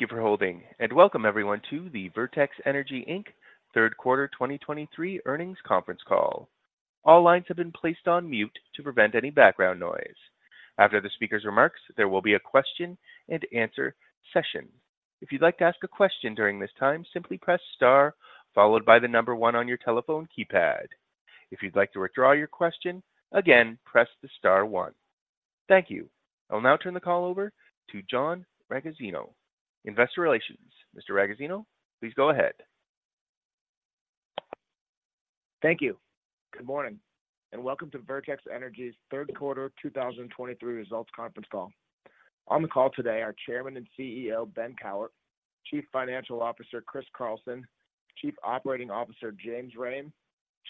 Thank you for holding, and welcome everyone to the Vertex Energy, Inc. third quarter 2023 earnings conference call. All lines have been placed on mute to prevent any background noise. After the speaker's remarks, there will be a question and answer session. If you'd like to ask a question during this time, simply press Star followed by the number 1 on your telephone keypad. If you'd like to withdraw your question, again, press the Star 1. Thank you. I'll now turn the call over to John Ragozzino, Investor Relations. Mr. Ragozzino, please go ahead. Thank you. Good morning, and welcome to Vertex Energy's third quarter 2023 results conference call. On the call today are Chairman and CEO, Ben Cowart, Chief Financial Officer, Chris Carlson, Chief Operating Officer, James Rhame,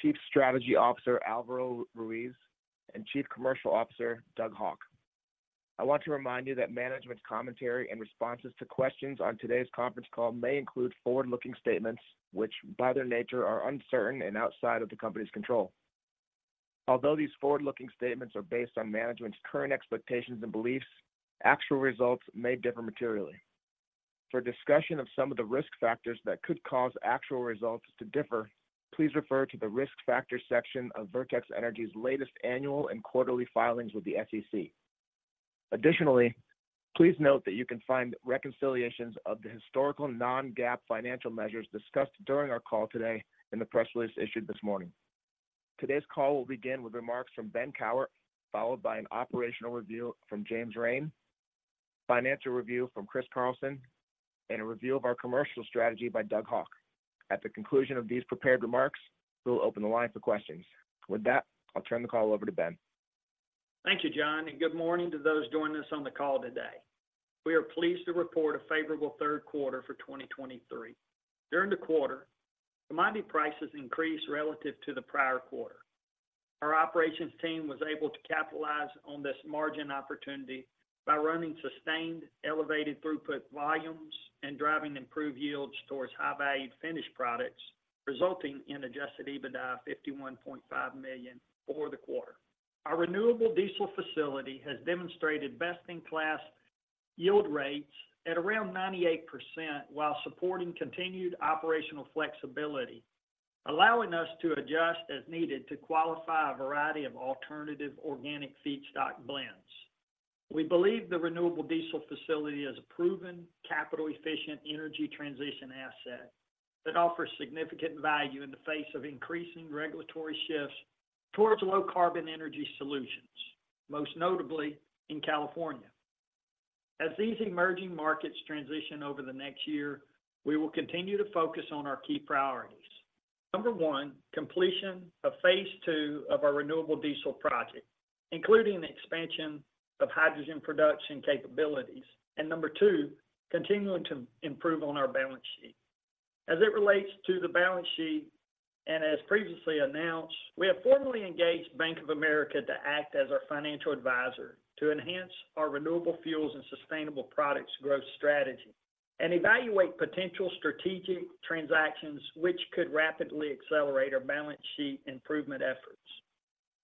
Chief Strategy Officer, Alvaro Ruiz, and Chief Commercial Officer, Doug Haugh. I want to remind you that management's commentary and responses to questions on today's conference call may include forward-looking statements, which, by their nature, are uncertain and outside of the company's control. Although these forward-looking statements are based on management's current expectations and beliefs, actual results may differ materially. For a discussion of some of the risk factors that could cause actual results to differ, please refer to the Risk Factors section of Vertex Energy's latest annual and quarterly filings with the SEC. Additionally, please note that you can find reconciliations of the historical non-GAAP financial measures discussed during our call today in the press release issued this morning. Today's call will begin with remarks from Ben Cowart, followed by an operational review from James Rhame, financial review from Chris Carlson, and a review of our commercial strategy by Doug Haugh. At the conclusion of these prepared remarks, we'll open the line for questions. With that, I'll turn the call over to Ben. Thank you, John, and good morning to those joining us on the call today. We are pleased to report a favorable third quarter for 2023. During the quarter, commodity prices increased relative to the prior quarter. Our operations team was able to capitalize on this margin opportunity by running sustained, elevated throughput volumes and driving improved yields towards high-value finished products, resulting in adjusted EBITDA of $51.5 million for the quarter. Our renewable diesel facility has demonstrated best-in-class yield rates at around 98% while supporting continued operational flexibility, allowing us to adjust as needed to qualify a variety of alternative organic feedstock blends. We believe the renewable diesel facility is a proven, capital-efficient energy transition asset that offers significant value in the face of increasing regulatory shifts towards low carbon energy solutions, most notably in California. As these emerging markets transition over the next year, we will continue to focus on our key priorities. Number one, completion of phase II of our renewable diesel project, including the expansion of hydrogen production capabilities. Number two, continuing to improve on our balance sheet. As it relates to the balance sheet, and as previously announced, we have formally engaged Bank of America to act as our financial advisor to enhance our renewable fuels and sustainable products growth strategy and evaluate potential strategic transactions which could rapidly accelerate our balance sheet improvement efforts.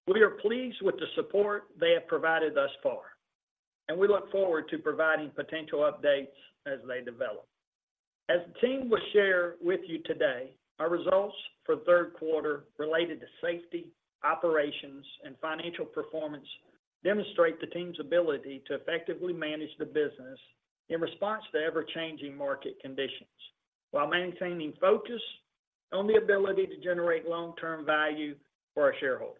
We are pleased with the support they have provided thus far, and we look forward to providing potential updates as they develop. As the team will share with you today, our results for the third quarter related to safety, operations, and financial performance demonstrate the team's ability to effectively manage the business in response to ever-changing market conditions, while maintaining focus on the ability to generate long-term value for our shareholders.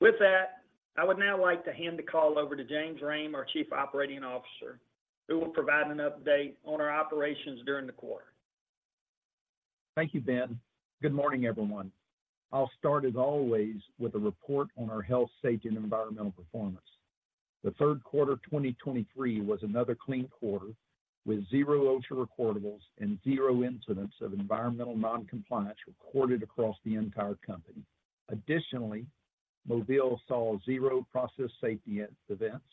With that, I would now like to hand the call over to James Rhame, our Chief Operating Officer, who will provide an update on our operations during the quarter. Thank you, Ben. Good morning, everyone. I'll start, as always, with a report on our health, safety, and environmental performance. The third quarter of 2023 was another clean quarter, with zero OSHA recordables and zero incidents of environmental noncompliance recorded across the entire company. Additionally, Mobile saw zero process safety events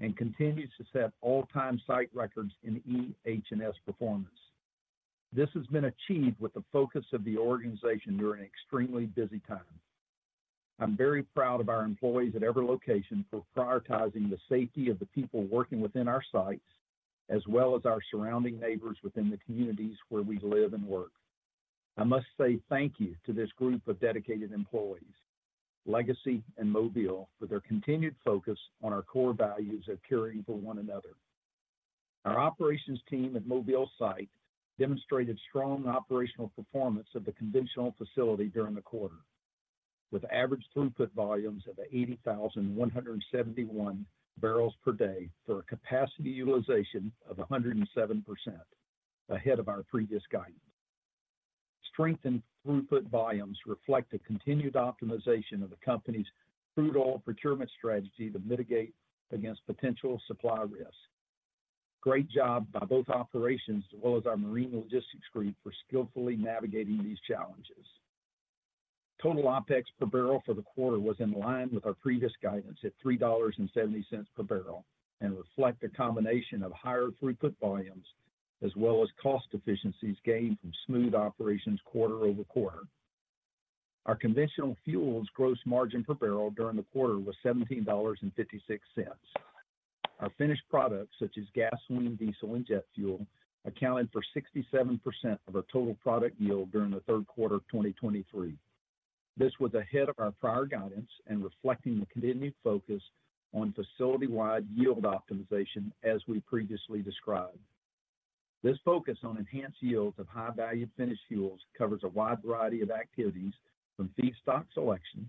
and continues to set all-time site records in EHS performance. This has been achieved with the focus of the organization during an extremely busy time. I'm very proud of our employees at every location for prioritizing the safety of the people working within our sites, as well as our surrounding neighbors within the communities where we live and work. I must say thank you to this group of dedicated employees, Legacy and Mobile, for their continued focus on our core values of caring for one another. Our operations team at Mobile site demonstrated strong operational performance of the conventional facility during the quarter, with average throughput volumes of 80,171 barrels per day, for a capacity utilization of 107%, ahead of our previous guidance. Strengthened throughput volumes reflect the continued optimization of the company's crude oil procurement strategy to mitigate against potential supply risks. Great job by both operations as well as our marine logistics group for skillfully navigating these challenges. Total OpEx per barrel for the quarter was in line with our previous guidance at $3.70 per barrel, and reflect a combination of higher throughput volumes, as well as cost efficiencies gained from smooth operations quarter-over-quarter. Our conventional fuels gross margin per barrel during the quarter was $17.56. Our finished products, such as gasoline, diesel, and jet fuel, accounted for 67% of our total product yield during the third quarter of 2023. This was ahead of our prior guidance and reflecting the continued focus on facility-wide yield optimization, as we previously described. This focus on enhanced yields of high-value finished fuels covers a wide variety of activities from feedstock selection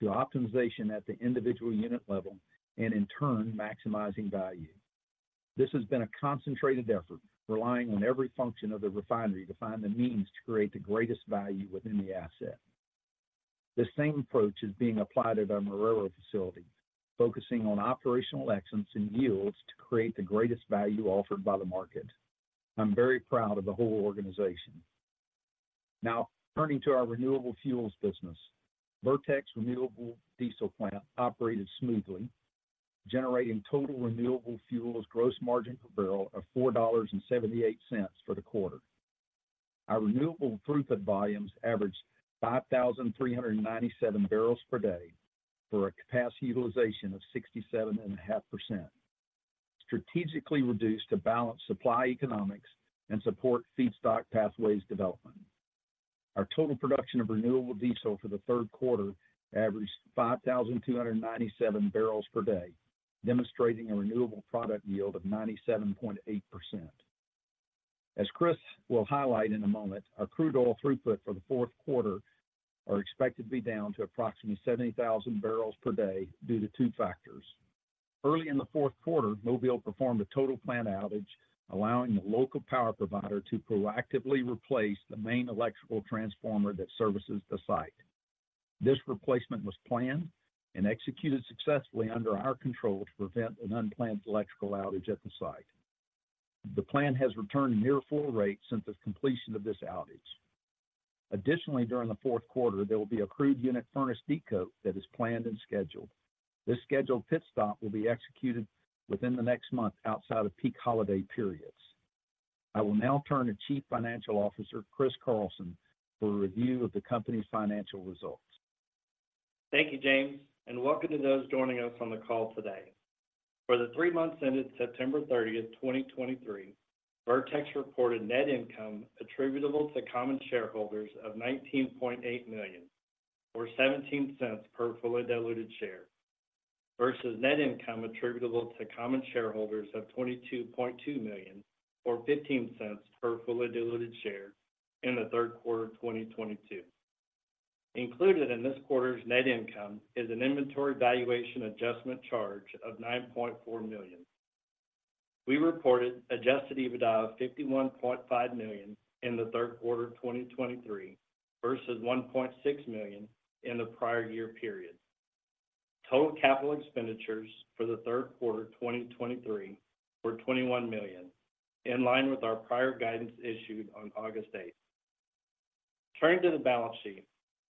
to optimization at the individual unit level, and in turn, maximizing value. This has been a concentrated effort, relying on every function of the refinery to find the means to create the greatest value within the asset. The same approach is being applied at our Marrero facility, focusing on operational excellence and yields to create the greatest value offered by the market. I'm very proud of the whole organization. Now, turning to our renewable fuels business. Vertex Renewable Diesel Plant operated smoothly, generating total renewable fuels gross margin per barrel of $4.78 for the quarter. Our renewable throughput volumes averaged 5,397 barrels per day, for a capacity utilization of 67.5%, strategically reduced to balance supply economics and support feedstock pathways development. Our total production of Renewable Diesel for the third quarter averaged 5,297 barrels per day, demonstrating a renewable product yield of 97.8%. As Chris will highlight in a moment, our crude oil throughput for the fourth quarter are expected to be down to approximately 70,000 barrels per day due to two factors. Early in the fourth quarter, Mobile performed a total plant outage, allowing the local power provider to proactively replace the main electrical transformer that services the site. This replacement was planned and executed successfully under our control to prevent an unplanned electrical outage at the site. The plant has returned near full rate since the completion of this outage. Additionally, during the fourth quarter, there will be a crude unit furnace decoke that is planned and scheduled. This scheduled pit stop will be executed within the next month outside of peak holiday periods. I will now turn to Chief Financial Officer, Chris Carlson, for a review of the company's financial results. Thank you, James, and welcome to those joining us on the call today. For the three months ended September 30th, 2023, Vertex reported net income attributable to common shareholders of $19.8 million, or $0.17 per fully diluted share, versus net income attributable to common shareholders of $22.2 million, or $0.15 per fully diluted share in the third quarter of 2022. Included in this quarter's net income is an inventory valuation adjustment charge of $9.4 million. We reported Adjusted EBITDA of $51.5 million in the third quarter of 2023 versus $1.6 million in the prior year period. Total capital expenditures for the third quarter of 2023 were $21 million, in line with our prior guidance issued on August 8th. Turning to the balance sheet.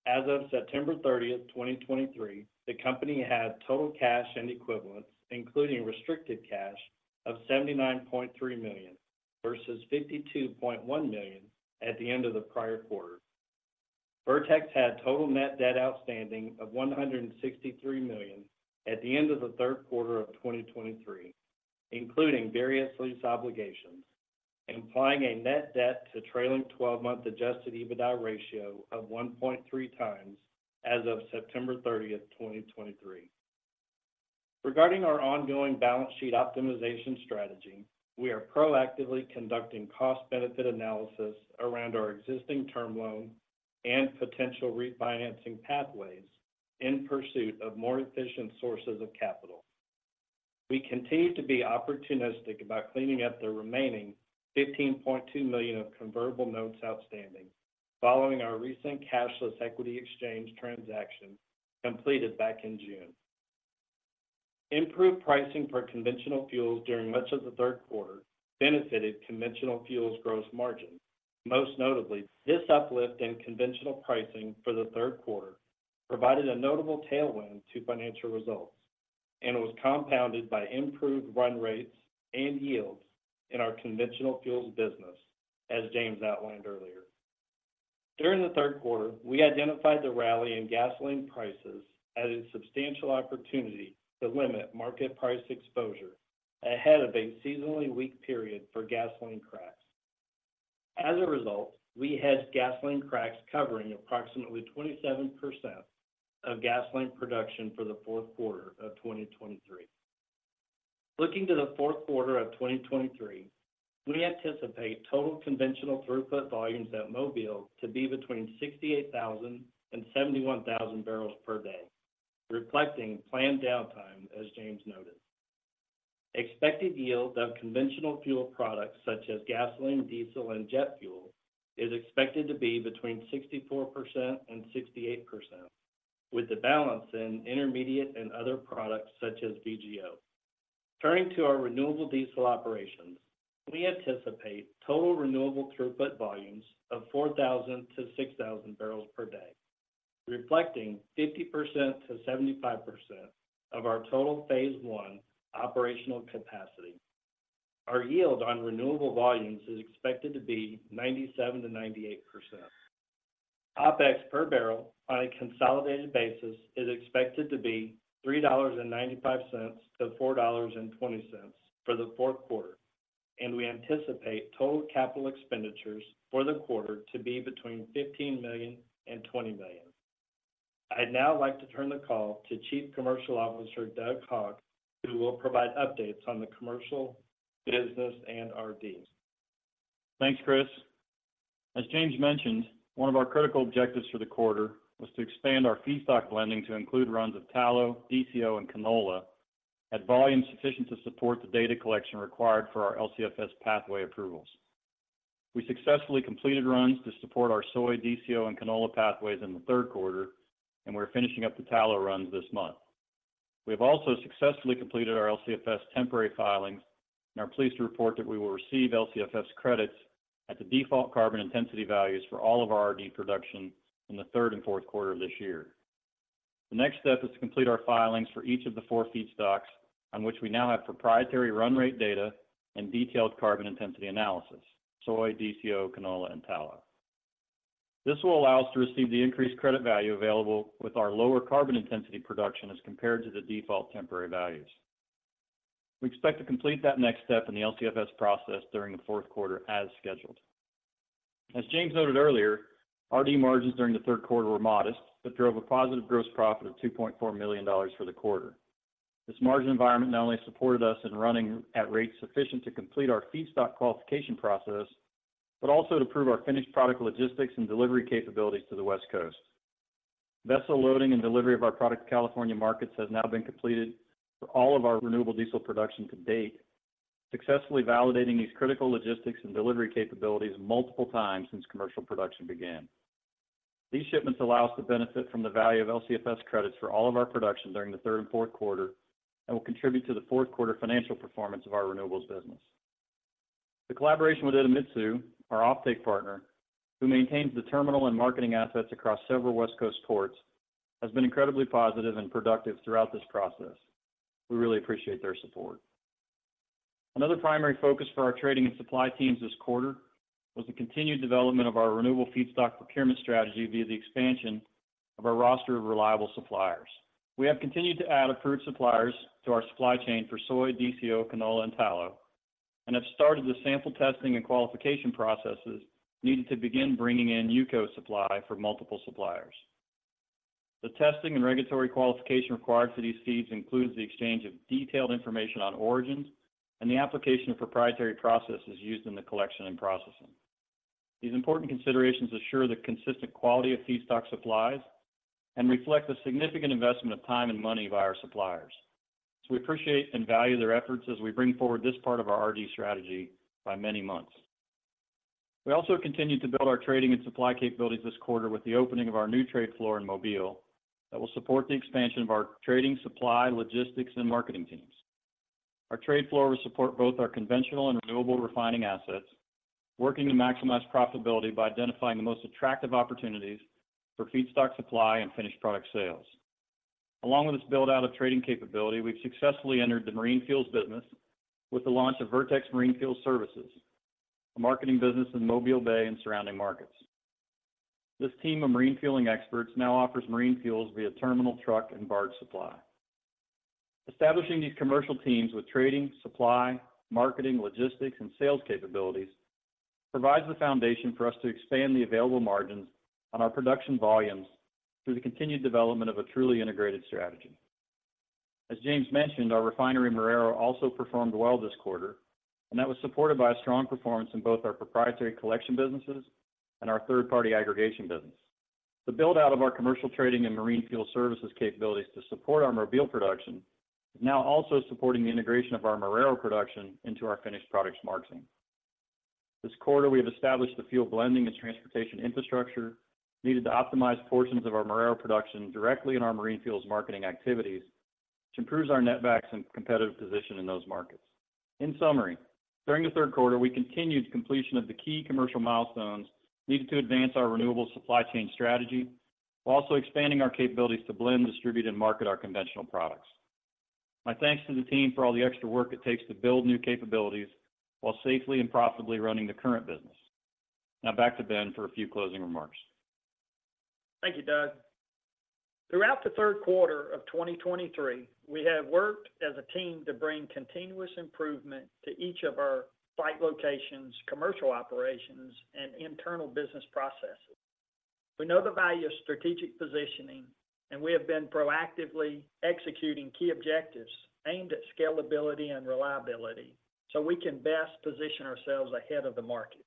As of September 30th, 2023, the company had total cash and equivalents, including restricted cash of $79.3 million versus $52.1 million at the end of the prior quarter. Vertex had total net debt outstanding of $163 million at the end of the third quarter of 2023, including various lease obligations, implying a net debt to trailing twelve-month Adjusted EBITDA ratio of 1.3 times as of September 30th, 2023. Regarding our ongoing balance sheet optimization strategy, we are proactively conducting cost-benefit analysis around our existing term loan and potential refinancing pathways in pursuit of more efficient sources of capital. We continue to be opportunistic about cleaning up the remaining $15.2 million of convertible notes outstanding, following our recent cashless equity exchange transaction completed back in June. Improved pricing for conventional fuels during much of the third quarter benefited conventional fuels gross margin. Most notably, this uplift in conventional pricing for the third quarter provided a notable tailwind to financial results, and it was compounded by improved run rates and yields in our conventional fuels business, as James outlined earlier. During the third quarter, we identified the rally in gasoline prices as a substantial opportunity to limit market price exposure ahead of a seasonally weak period for gasoline cracks. As a result, we had gasoline cracks covering approximately 27% of gasoline production for the fourth quarter of 2023. Looking to the fourth quarter of 2023, we anticipate total conventional throughput volumes at Mobile to be between 68,000 and 71,000 barrels per day, reflecting planned downtime, as James noted. Expected yields of conventional fuel products such as gasoline, diesel, and jet fuel, is expected to be between 64%-68%, with the balance in intermediate and other products such as VGO. Turning to our renewable diesel operations, we anticipate total renewable throughput volumes of 4,000-6,000 barrels per day, reflecting 50%-75% of our total phase I operational capacity. Our yield on renewable volumes is expected to be 97%-98%. OpEx per barrel on a consolidated basis is expected to be $3.95-$4.20 for the fourth quarter, and we anticipate total capital expenditures for the quarter to be between $15 million and $20 million. I'd now like to turn the call to Chief Commercial Officer, Doug Haugh, who will provide updates on the commercial, business, and RD. Thanks, Chris. As James mentioned, one of our critical objectives for the quarter was to expand our feedstock blending to include runs of tallow, DCO, and canola at volumes sufficient to support the data collection required for our LCFS pathway approvals. We successfully completed runs to support our soy, DCO, and canola pathways in the third quarter, and we're finishing up the tallow runs this month. We have also successfully completed our LCFS temporary filings, and are pleased to report that we will receive LCFS credits at the default carbon intensity values for all of our RD production in the third and fourth quarter of this year. The next step is to complete our filings for each of the four feedstocks, on which we now have proprietary run rate data and detailed carbon intensity analysis: soy, DCO, canola, and tallow. This will allow us to receive the increased credit value available with our lower carbon intensity production as compared to the default temporary values. We expect to complete that next step in the LCFS process during the fourth quarter as scheduled. As James noted earlier, RD margins during the third quarter were modest, but drove a positive gross profit of $2.4 million for the quarter. This margin environment not only supported us in running at rates sufficient to complete our feedstock qualification process, but also to prove our finished product logistics and delivery capabilities to the West Coast. Vessel loading and delivery of our product to California markets has now been completed for all of our renewable diesel production to date, successfully validating these critical logistics and delivery capabilities multiple times since commercial production began. These shipments allow us to benefit from the value of LCFS credits for all of our production during the third and fourth quarter, and will contribute to the fourth quarter financial performance of our renewables business. The collaboration with Idemitsu, our offtake partner, who maintains the terminal and marketing assets across several West Coast ports, has been incredibly positive and productive throughout this process. We really appreciate their support. Another primary focus for our trading and supply teams this quarter, was the continued development of our renewable feedstock procurement strategy via the expansion of our roster of reliable suppliers. We have continued to add approved suppliers to our supply chain for soy, DCO, canola, and tallow, and have started the sample testing and qualification processes needed to begin bringing in UCO supply for multiple suppliers. The testing and regulatory qualification required for these feeds includes the exchange of detailed information on origins and the application of proprietary processes used in the collection and processing. These important considerations assure the consistent quality of feedstock supplies and reflect the significant investment of time and money by our suppliers. So we appreciate and value their efforts as we bring forward this part of our RD strategy by many months. We also continued to build our trading and supply capabilities this quarter with the opening of our new trade floor in Mobile, that will support the expansion of our trading, supply, logistics, and marketing teams. Our trade floor will support both our conventional and renewable refining assets, working to maximize profitability by identifying the most attractive opportunities for feedstock supply and finished product sales. Along with this build-out of trading capability, we've successfully entered the marine fuels business with the launch of Vertex Marine Fuel Services, a marketing business in Mobile Bay and surrounding markets. This team of marine fueling experts now offers marine fuels via terminal, truck, and barge supply. Establishing these commercial teams with trading, supply, marketing, logistics, and sales capabilities, provides the foundation for us to expand the available margins on our production volumes through the continued development of a truly integrated strategy. As James mentioned, our refinery in Marrero also performed well this quarter, and that was supported by a strong performance in both our proprietary collection businesses and our third-party aggregation business. The build-out of our commercial trading and marine fuel services capabilities to support our Mobile production, is now also supporting the integration of our Marrero production into our finished products marketing. This quarter, we have established the fuel blending and transportation infrastructure needed to optimize portions of our Marrero production directly in our marine fuels marketing activities, which improves our netbacks and competitive position in those markets. In summary, during the third quarter, we continued completion of the key commercial milestones needed to advance our renewable supply chain strategy, while also expanding our capabilities to blend, distribute, and market our conventional products. My thanks to the team for all the extra work it takes to build new capabilities while safely and profitably running the current business. Now, back to Ben for a few closing remarks. Thank you, Doug. Throughout the third quarter of 2023, we have worked as a team to bring continuous improvement to each of our site locations, commercial operations, and internal business processes. We know the value of strategic positioning, and we have been proactively executing key objectives aimed at scalability and reliability, so we can best position ourselves ahead of the market.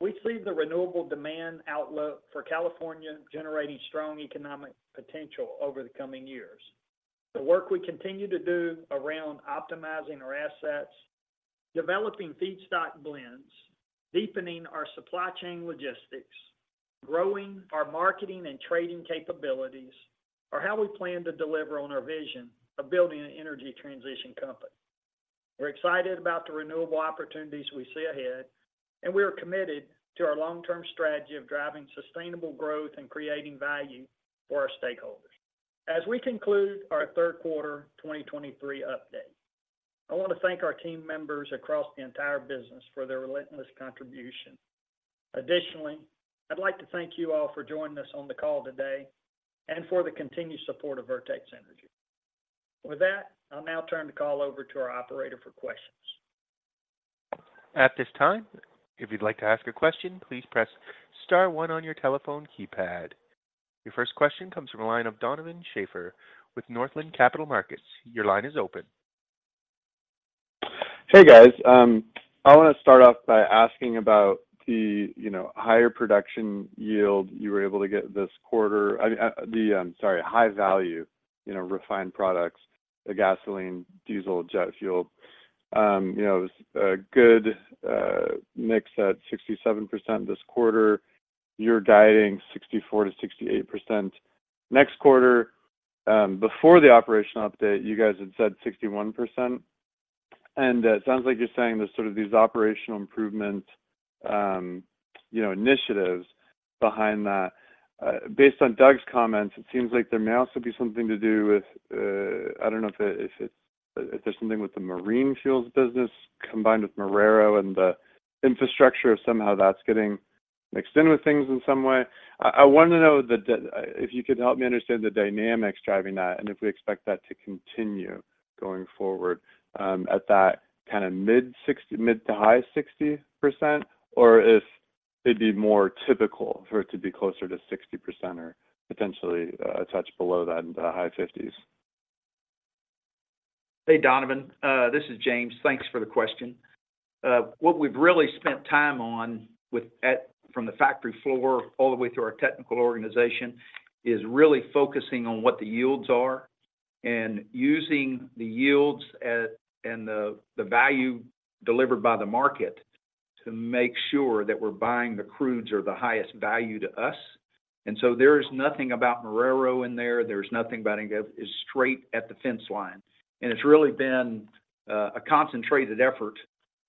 We see the renewable demand outlook for California generating strong economic potential over the coming years. The work we continue to do around optimizing our assets, developing feedstock blends, deepening our supply chain logistics, growing our marketing and trading capabilities, are how we plan to deliver on our vision of building an energy transition company. We're excited about the renewable opportunities we see ahead, and we are committed to our long-term strategy of driving sustainable growth and creating value for our stakeholders. As we conclude our third quarter 2023 update, I want to thank our team members across the entire business for their relentless contribution. Additionally, I'd like to thank you all for joining us on the call today and for the continued support of Vertex Energy. With that, I'll now turn the call over to our operator for questions. At this time, if you'd like to ask a question, please press star one on your telephone keypad. Your first question comes from the line of Donovan Schafer with Northland Capital Markets. Your line is open. Hey, guys. I wanna start off by asking about the, you know, higher production yield you were able to get this quarter. High value, you know, refined products, the gasoline, diesel, jet fuel. You know, it was a good mix at 67% this quarter. You're guiding 64%-68% next quarter, before the operational update, you guys had said 61%. And it sounds like you're saying there's sort of these operational improvement, you know, initiatives behind that. Based on Doug's comments, it seems like there may also be something to do with, I don't know if it's, if there's something with the marine fuels business, combined with Marrero and the infrastructure, if somehow that's getting mixed in with things in some way. I want to know if you could help me understand the dynamics driving that, and if we expect that to continue going forward, at that kind of mid-60, mid- to high-60%, or if it'd be more typical for it to be closer to 60% or potentially a touch below that in the high 50s? Hey, Donovan, this is James. Thanks for the question. What we've really spent time on with from the factory floor all the way through our technical organization—is really focusing on what the yields are, and using the yields and the value delivered by the market to make sure that we're buying the crudes or the highest value to us. And so there is nothing about Marrero in there. There's nothing about it, it's straight at the fence line. And it's really been a concentrated effort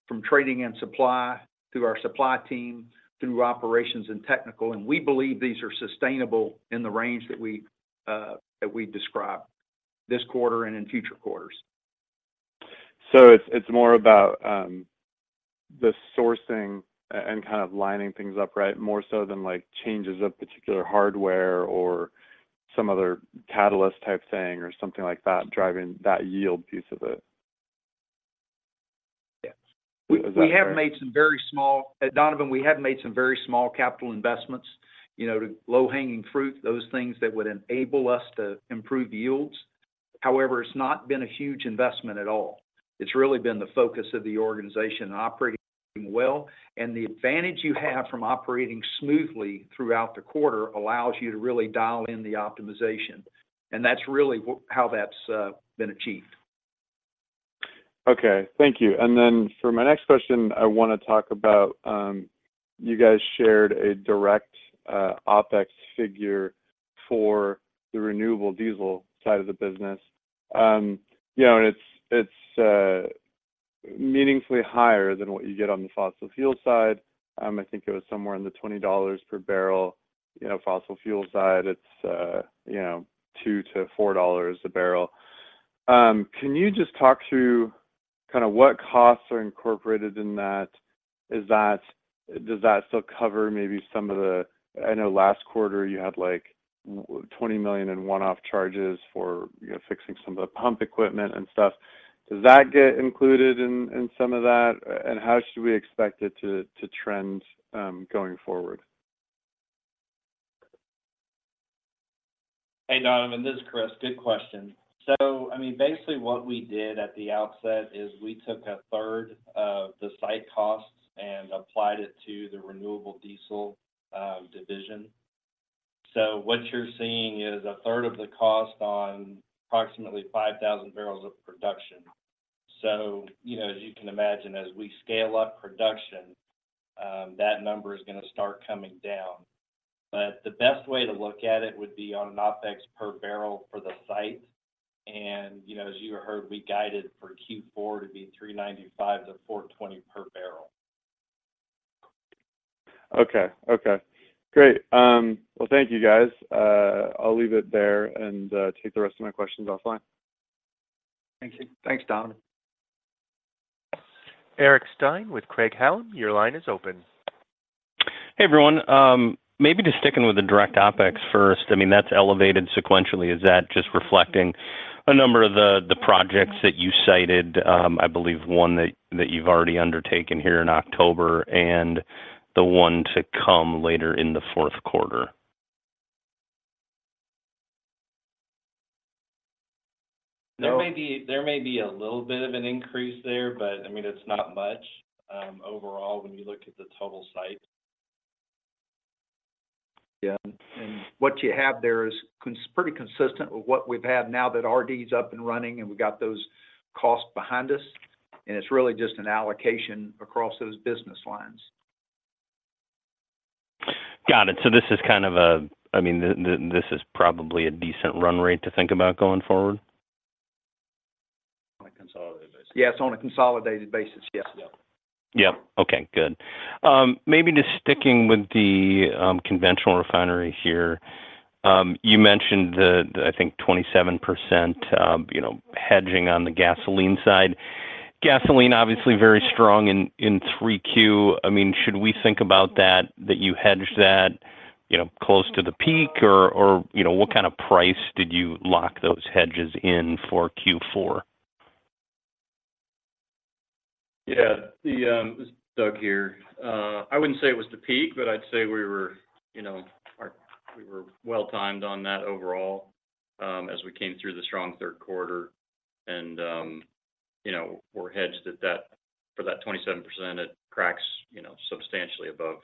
from trading and supply, through our supply team, through operations and technical, and we believe these are sustainable in the range that we describe this quarter and in future quarters. It's, it's more about the sourcing and kind of lining things up, right? More so than, like, changes of particular hardware or some other catalyst type thing, or something like that, driving that yield piece of it. Yes. Is that right? We have made some very small, Donovan, we have made some very small capital investments, you know, to low-hanging fruit, those things that would enable us to improve yields. However, it's not been a huge investment at all. It's really been the focus of the organization operating well, and the advantage you have from operating smoothly throughout the quarter allows you to really dial in the optimization, and that's really what, how that's been achieved. Okay, thank you. And then for my next question, I wanna talk about, you guys shared a direct, OpEx figure for the renewable diesel side of the business. You know, and it's, it's, meaningfully higher than what you get on the fossil fuel side. I think it was somewhere in the $20 per barrel. You know, fossil fuel side, it's, you know, $2-$4 a barrel. Can you just talk through kinda what costs are incorporated in that? Does that still cover maybe some of the? I know last quarter you had, like, $20 million in one-off charges for, you know, fixing some of the pump equipment and stuff. Does that get included in some of that? And how should we expect it to trend going forward? Hey, Donovan, this is Chris. Good question. So, I mean, basically what we did at the outset is we took a third of the site costs and applied it to the renewable diesel division. So what you're seeing is a third of the cost on approximately 5,000 barrels of production. So, you know, as you can imagine, as we scale up production, that number is gonna start coming down. But the best way to look at it would be on an OpEx per barrel for the site. And, you know, as you heard, we guided for Q4 to be $395-$420 per barrel. Okay. Okay, great. Well, thank you, guys. I'll leave it there and take the rest of my questions offline. Thank you. Thanks, Donovan. Eric Stine with Craig-Hallum, your line is open. Hey, everyone. Maybe just sticking with the direct OpEx first, I mean, that's elevated sequentially. Is that just reflecting a number of the projects that you cited? I believe one that you've already undertaken here in October, and the one to come later in the fourth quarter. There may be, there may be a little bit of an increase there, but, I mean, it's not much, overall, when you look at the total site. Yeah, and what you have there is pretty consistent with what we've had now that RD is up and running, and we've got those costs behind us, and it's really just an allocation across those business lines. Got it. So this is kind of a I mean, this is probably a decent run rate to think about going forward? Yes, on a consolidated basis. Yes, yeah. Yep. Okay, good. Maybe just sticking with the conventional refinery here. You mentioned the, I think, 27%, you know, hedging on the gasoline side. Gasoline, obviously very strong in 3Q. I mean, should we think about that you hedged that, you know, close to the peak? Or, you know, what kind of price did you lock those hedges in for Q4? Yeah. This is Doug here. I wouldn't say it was the peak, but I'd say we were, you know, we were well-timed on that overall, as we came through the strong third quarter. And, you know, we're hedged at that. For that 27%, it cracks, you know, substantially above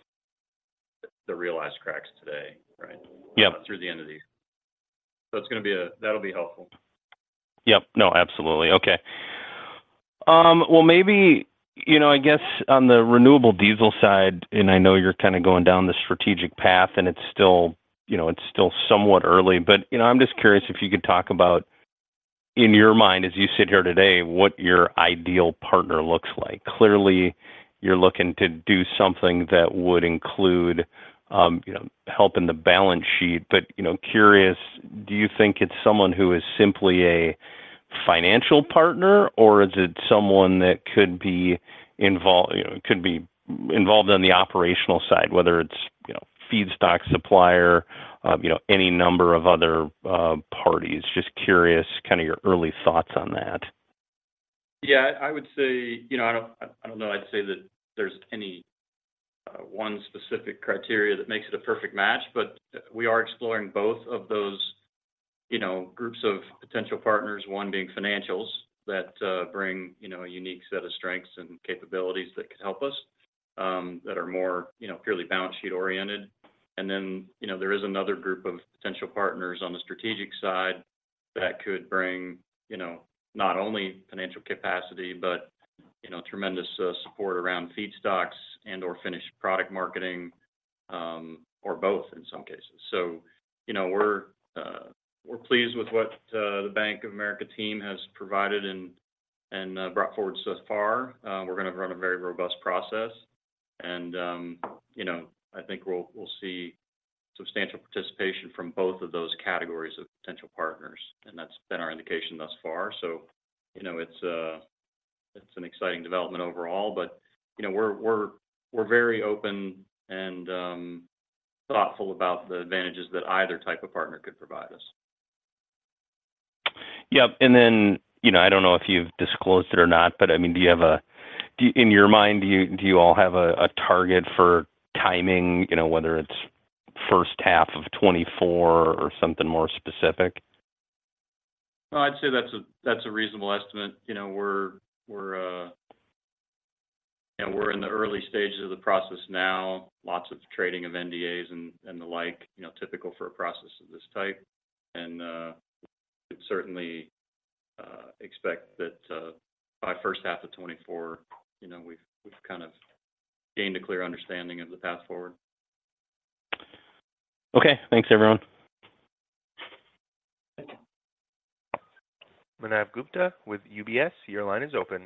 the realized cracks today, right? Yep. Through the end of the year. So it's gonna be. That'll be helpful. Yep. No, absolutely. Okay. Well, maybe, you know, I guess on the renewable diesel side, and I know you're kind of going down the strategic path, and it's still, you know, it's still somewhat early, but, you know, I'm just curious if you could talk about, in your mind, as you sit here today, what your ideal partner looks like. Clearly, you're looking to do something that would include, you know, helping the balance sheet. But, you know, curious, do you think it's someone who is simply a financial partner, or is it someone that could be involved, you know, could be involved on the operational side, whether it's, you know, feedstock supplier, you know, any number of other parties? Just curious, kind of your early thoughts on that. Yeah, I would say. You know, I don't know. I'd say that there's any one specific criteria that makes it a perfect match, but we are exploring both of those, you know, groups of potential partners, one being financials that bring, you know, a unique set of strengths and capabilities that could help us that are more, you know, purely balance sheet-oriented. And then, you know, there is another group of potential partners on the strategic side that could bring, you know, not only financial capacity, but, you know, tremendous support around feedstocks and/or finished product marketing, or both in some cases. So, you know, we're pleased with what the Bank of America team has provided and brought forward thus far. We're gonna run a very robust process, and, you know, I think we'll see substantial participation from both of those categories of potential partners, and that's been our indication thus far. So, you know, it's an exciting development overall, but, you know, we're very open and thoughtful about the advantages that either type of partner could provide us. Yep. And then, you know, I don't know if you've disclosed it or not, but, I mean, do you, in your mind, do you, do you all have a, a target for timing? You know, whether it's first half of 2024 or something more specific. I'd say that's a, that's a reasonable estimate. You know, we're, we're, you know, we're in the early stages of the process now. Lots of trading of NDAs and, and the like, you know, typical for a process of this type. We certainly expect that by first half of 2024, you know, we've, we've kind of gained a clear understanding of the path forward. Okay. Thanks, everyone. Manav Gupta with UBS, your line is open.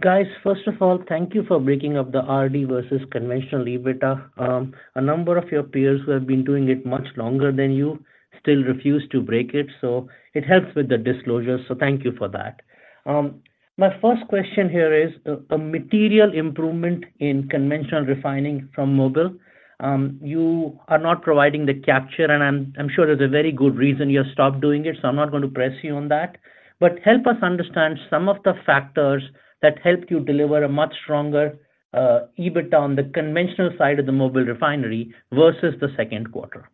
Guys, first of all, thank you for breaking up the RD versus conventional EBITDA. A number of your peers who have been doing it much longer than you still refuse to break it, so it helps with the disclosure. So thank you for that. My first question here is a material improvement in conventional refining from Mobile. You are not providing the capture, and I'm sure there's a very good reason you have stopped doing it, so I'm not going to press you on that. But help us understand some of the factors that helped you deliver a much stronger EBITDA on the conventional side of the Mobile refinery versus the second quarter.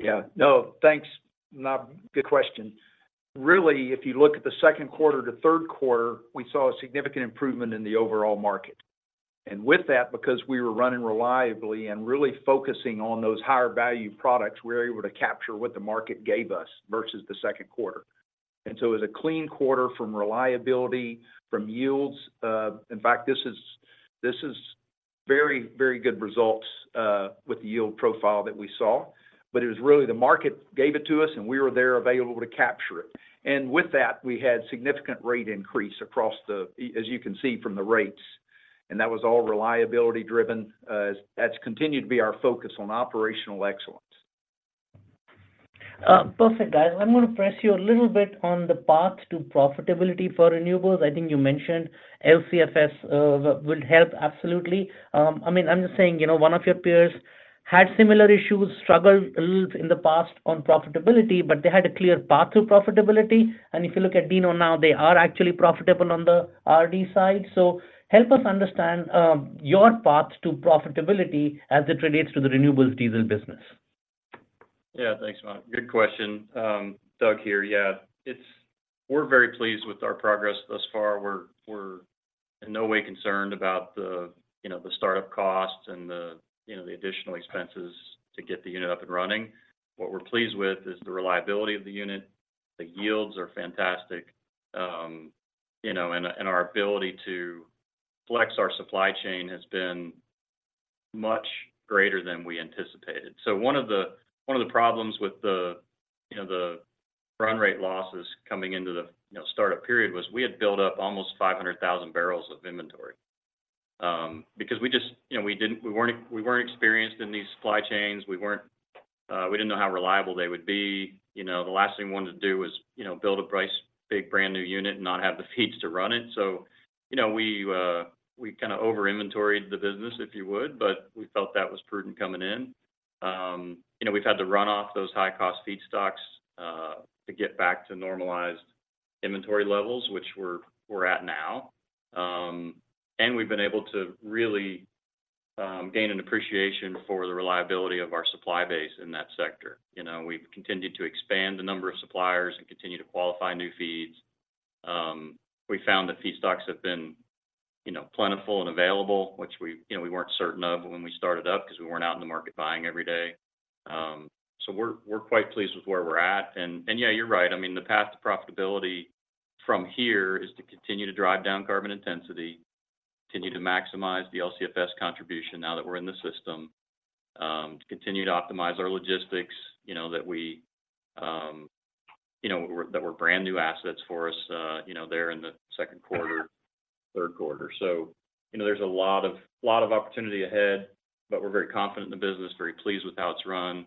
Yeah. No, thanks, Manav. Good question. Really, if you look at the second quarter to third quarter, we saw a significant improvement in the overall market. And with that, because we were running reliably and really focusing on those higher value products, we were able to capture what the market gave us versus the second quarter. And so it was a clean quarter from reliability, from yields. In fact, this is, this is very, very good results, with the yield profile that we saw. But it was really the market gave it to us, and we were there available to capture it. And with that, we had significant rate increase across the as you can see from the rates, and that was all reliability driven. That's continued to be our focus on operational excellence. Perfect, guys. I'm going to press you a little bit on the path to profitability for renewables. I think you mentioned LCFS will help, absolutely. I mean, I'm just saying, you know, one of your peers had similar issues, struggled a little in the past on profitability, but they had a clear path to profitability. And if you look at DINO now, they are actually profitable on the RD side. So help us understand your path to profitability as it relates to the renewables diesel business. Yeah. Thanks, Manav. Good question. Doug here. Yeah, it's. We're very pleased with our progress thus far. We're, we're in no way concerned about the, you know, the start-up costs and the, you know, the additional expenses to get the unit up and running. What we're pleased with is the reliability of the unit, the yields are fantastic, you know, and, and our ability to flex our supply chain has been much greater than we anticipated. So one of the, one of the problems with the, you know, the run rate losses coming into the, you know, startup period was we had built up almost 500,000 barrels of inventory. Because we just, you know, we didn't. We weren't, we weren't experienced in these supply chains. We weren't, we didn't know how reliable they would be. You know, the last thing we wanted to do was, you know, build a pricey big brand-new unit and not have the feeds to run it. So, you know, we kind of over-inventoried the business, if you would, but we felt that was prudent coming in. You know, we've had to run off those high-cost feedstocks to get back to normalized inventory levels, which we're at now. And we've been able to really gain an appreciation for the reliability of our supply base in that sector. You know, we've continued to expand the number of suppliers and continue to qualify new feeds. We found that feedstocks have been, you know, plentiful and available, which we, you know, weren't certain of when we started up because we weren't out in the market buying every day. So we're, we're quite pleased with where we're at. And yeah, you're right. I mean, the path to profitability from here is to continue to drive down carbon intensity, continue to maximize the LCFS contribution now that we're in the system, to continue to optimize our logistics, you know, that we, you know, were that were brand-new assets for us, you know, there in the second quarter, third quarter. So, you know, there's a lot of, lot of opportunity ahead, but we're very confident in the business, very pleased with how it's run.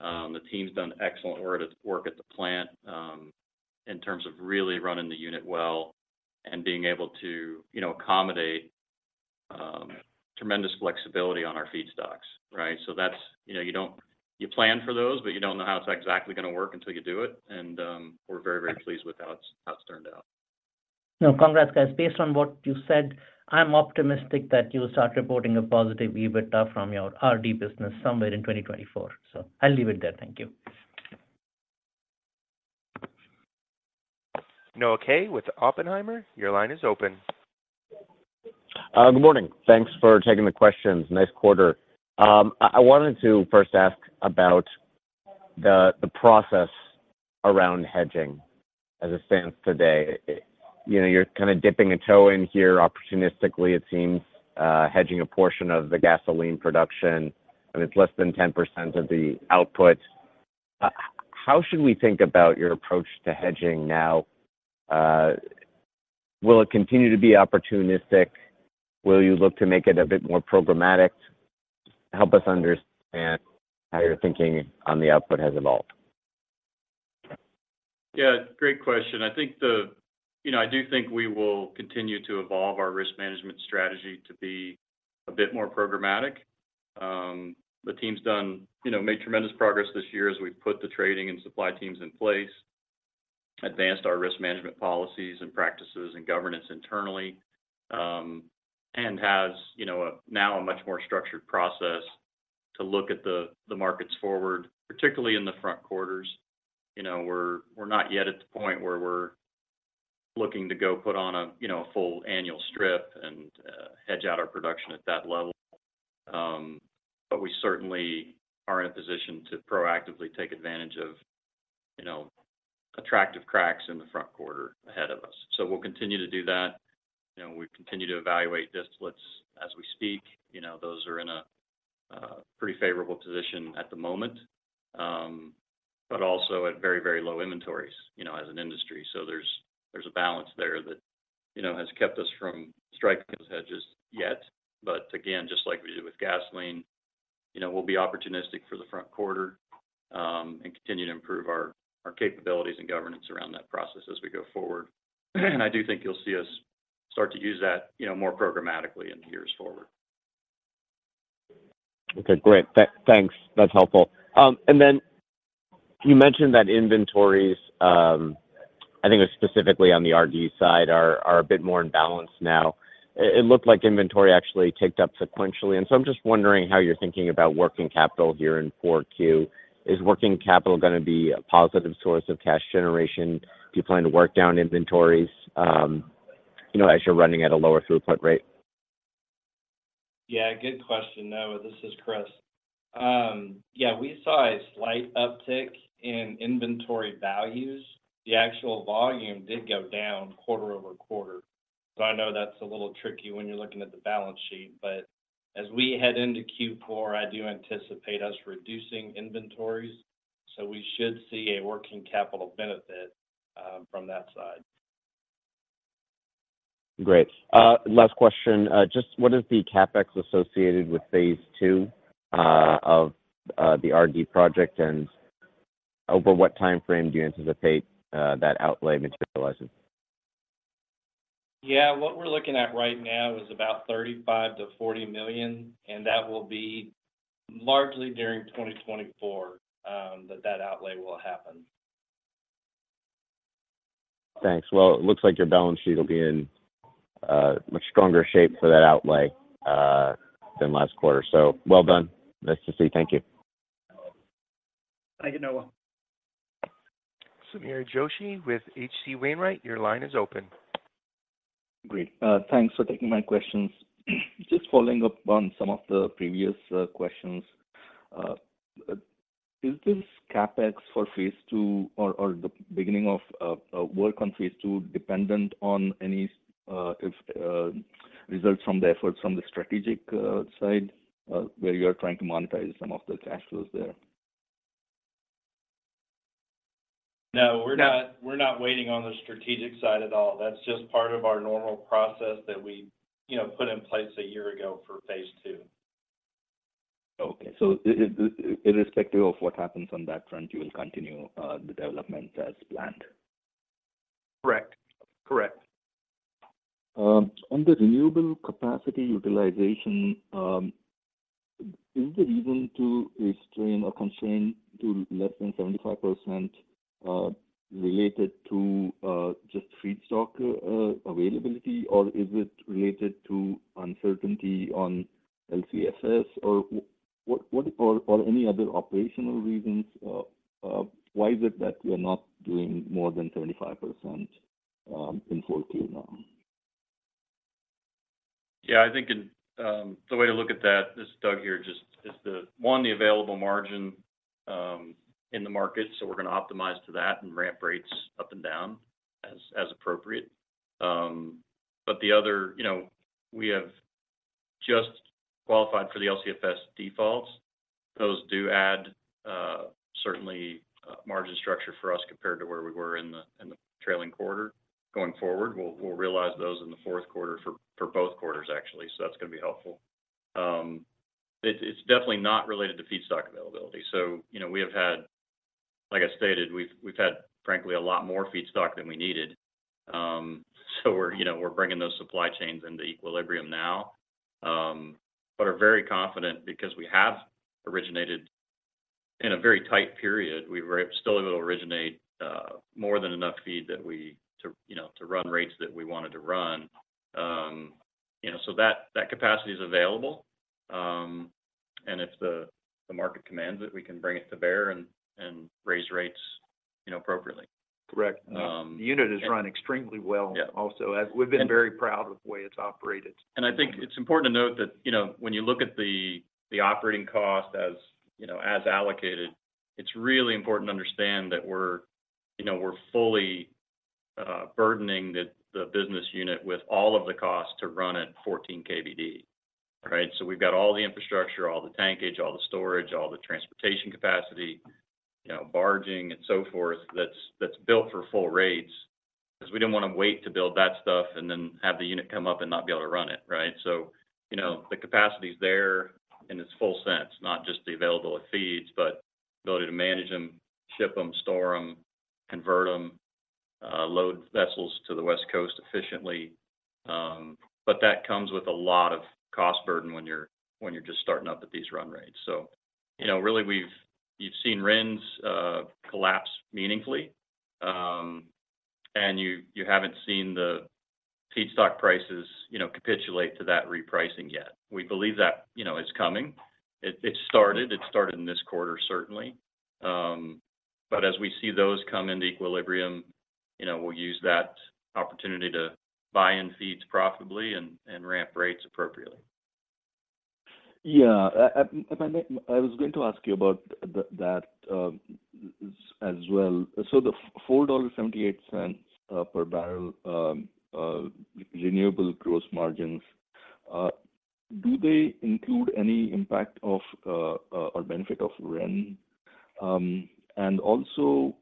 The team's done an excellent work at work at the plant, in terms of really running the unit well and being able to, you know, accommodate, tremendous flexibility on our feedstocks, right? So that's, you know, you don't. You plan for those, but you don't know how it's exactly going to work until you do it, and, we're very, very pleased with how it's, how it's turned out. No, congrats, guys. Based on what you said, I'm optimistic that you'll start reporting a positive EBITDA from your RD business somewhere in 2024. So I'll leave it there. Thank you. Noah Kaye with Oppenheimer, your line is open. Good morning. Thanks for taking the questions. Nice quarter. I wanted to first ask about the process around hedging as it stands today. You know, you're kind of dipping a toe in here opportunistically, it seems, hedging a portion of the gasoline production, and it's less than 10% of the output. How should we think about your approach to hedging now? Will it continue to be opportunistic? Will you look to make it a bit more programmatic? Help us understand how your thinking on the output has evolved. Yeah, great question. I think the you know, I do think we will continue to evolve our risk management strategy to be a bit more programmatic. The team's done, you know, made tremendous progress this year as we've put the trading and supply teams in place, advanced our risk management policies and practices and governance internally, and has, you know, a now a much more structured process to look at the, the markets forward, particularly in the front quarters. You know, we're, we're not yet at the point where we're looking to go put on a, you know, a full annual strip and, hedge out our production at that level. But we certainly are in a position to proactively take advantage of, you know, attractive cracks in the front quarter ahead of us. So we'll continue to do that, and we continue to evaluate distillates as we speak. You know, those are in a pretty favorable position at the moment, but also at very, very low inventories, you know, as an industry. So there's a balance there that, you know, has kept us from striking those hedges yet. But again, just like we did with gasoline, you know, we'll be opportunistic for the front quarter, and continue to improve our capabilities and governance around that process as we go forward. And I do think you'll see us start to use that, you know, more programmatically in the years forward. Okay, great. Thanks. That's helpful. And then you mentioned that inventories, I think it was specifically on the RD side, are a bit more in balance now. It looked like inventory actually ticked up sequentially, and so I'm just wondering how you're thinking about working capital here in 4Q. Is working capital going to be a positive source of cash generation? Do you plan to work down inventories, you know, as you're running at a lower throughput rate? Yeah, good question, Noah. This is Chris. Yeah, we saw a slight uptick in inventory values. The actual volume did go down quarter over quarter. So I know that's a little tricky when you're looking at the balance sheet, but as we head into Q4, I do anticipate us reducing inventories, so we should see a working capital benefit from that side. Great. Last question. Just what is the CapEx associated with phase II of the RD project, and over what timeframe do you anticipate that outlay materializing? Yeah, what we're looking at right now is about $35 million-$40 million, and that will be largely during 2024, that, that outlay will happen. Thanks. Well, it looks like your balance sheet will be in a much stronger shape for that outlay than last quarter. So well done. Nice to see. Thank you. Thank you, Noah. Sameer Joshi with H.C. Wainwright, your line is open. Great. Thanks for taking my questions. Just following up on some of the previous questions. Is this CapEx for phase II or the beginning of work on phase II dependent on any results from the efforts from the strategic side, where you are trying to monetize some of the cash flows there? No, we're not we're not waiting on the strategic side at all. That's just part of our normal process that we, you know, put in place a year ago for phase II. Okay. So irrespective of what happens on that front, you will continue the development as planned? Correct. Correct. On the renewable capacity utilization, is the reason to restrain or constrain to less than 75% related to just feedstock availability, or is it related to uncertainty on LCFS? Or, or any other operational reasons, why is it that you are not doing more than 35% in full queue now? Yeah, I think in, the way to look at that, this is Doug here, just is the, one, the available margin, in the market, so we're gonna optimize to that and ramp rates up and down as, as appropriate. But the other, you know, we have just qualified for the LCFS defaults. Those do add, certainly, margin structure for us compared to where we were in the, in the trailing quarter. Going forward, we'll, we'll realize those in the fourth quarter for, for both quarters, actually, so that's gonna be helpful. It's, it's definitely not related to feedstock availability. So, you know, we have had, like I stated, we've, we've had, frankly, a lot more feedstock than we needed. So we're, you know, we're bringing those supply chains into equilibrium now, but are very confident because we have originated in a very tight period. We were still able to originate more than enough feed to, you know, to run rates that we wanted to run. You know, so that, that capacity is available, and if the, the market commands it, we can bring it to bear and, and raise rates, you know, appropriately. Correct. Um- The unit is running extremely well, Yeah Also, as we've been very proud of the way it's operated. I think it's important to note that, you know, when you look at the operating cost, as, you know, as allocated, it's really important to understand that we're, you know, we're fully burdening the business unit with all of the costs to run at 14 KBD. Right? So we've got all the infrastructure, all the tankage, all the storage, all the transportation capacity, you know, barging, and so forth, that's built for full rates. Because we didn't want to wait to build that stuff and then have the unit come up and not be able to run it, right? So, you know, the capacity is there in its full sense, not just the available feeds, but the ability to manage them, ship them, store them, convert them, load vessels to the West Coast efficiently. But that comes with a lot of cost burden when you're, when you're just starting up at these run rates. So, you know, really, we've you've seen RINs collapse meaningfully, and you, you haven't seen the feedstock prices, you know, capitulate to that repricing yet. We believe that, you know, it's coming. It, it started, it started in this quarter, certainly. But as we see those come into equilibrium, you know, we'll use that opportunity to buy in feeds profitably and, and ramp rates appropriately. Yeah. If I may, I was going to ask you about that, as well. So the $4.78 per barrel renewable gross margins, do they include any impact of, or benefit of RIN? And also,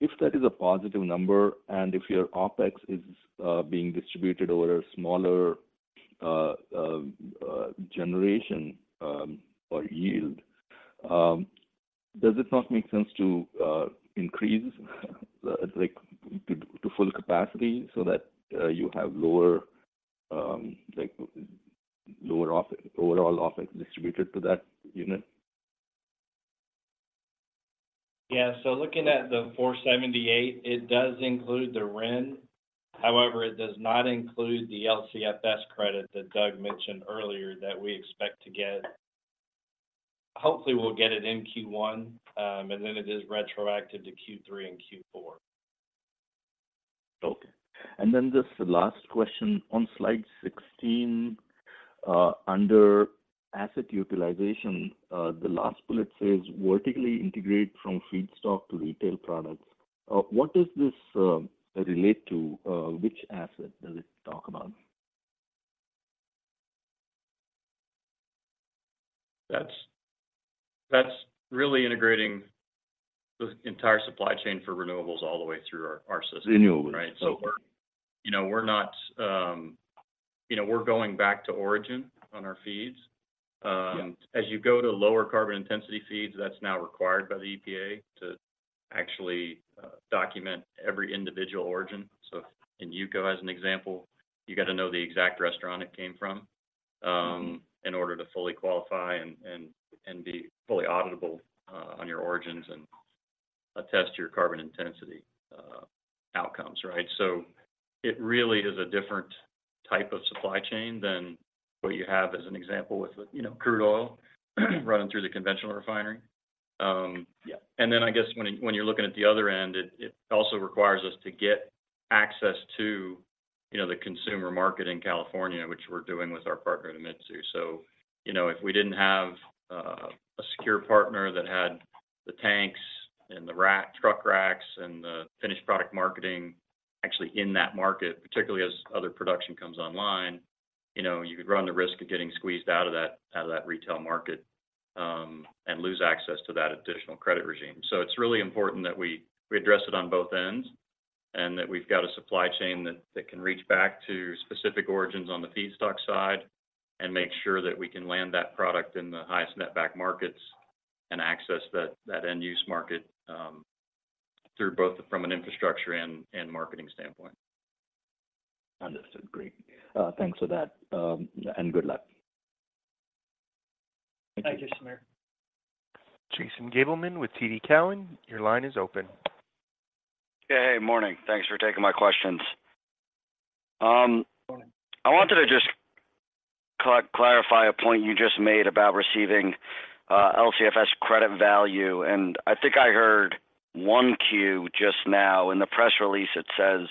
if that is a positive number, and if your OpEx is being distributed over a smaller generation, or yield, does it not make sense to increase, like, to full capacity so that you have lower, like lower OpEx, overall OpEx distributed to that unit? Yeah. So looking at the $478, it does include the RIN. However, it does not include the LCFS credit that Doug mentioned earlier that we expect to get. Hopefully, we'll get it in Q1, and then it is retroacted to Q3 and Q4. Okay. And then just the last question: on slide 16, under asset utilization, the last bullet says, "Vertically integrate from feedstock to retail products." What does this relate to? Which asset does it talk about? That's really integrating the entire supply chain for renewables all the way through our system. Renewables. Right. Okay. We're, you know, we're not, you know, we're going back to origin on our feeds. Yeah. As you go to lower carbon intensity feeds, that's now required by the EPA to actually document every individual origin. So in UCO, as an example, you got to know the exact restaurant it came from, in order to fully qualify and, and, and be fully auditable, on your origins and attest to your carbon intensity outcomes, right? So it really is a different type of supply chain than what you have as an example with, you know, crude oil running through the conventional refinery. Yeah, and then I guess when you're looking at the other end, it also requires us to get access to, you know, the consumer market in California, which we're doing with our partner at Idemitsu. So, you know, if we didn't have a secure partner that had the tanks and the rack, truck racks, and the finished product marketing actually in that market, particularly as other production comes online, you know, you could run the risk of getting squeezed out of that, out of that retail market, and lose access to that additional credit regime. So it's really important that we, we address it on both ends, and that we've got a supply chain that, that can reach back to specific origins on the feedstock side and make sure that we can land that product in the highest netback markets and access that, that end-use market, through both from an infrastructure and, and marketing standpoint. Understood. Great. Thanks for that, and good luck. Thank you, Sameer. Jason Gabelman with TD Cowen, your line is open. Hey, hey, morning. Thanks for taking my questions. Morning. I wanted to just clarify a point you just made about receiving LCFS credit value, and I think I heard 1Q just now. In the press release, it says